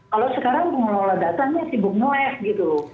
kalau sekarang pengelola datanya sibuk nge lec gitu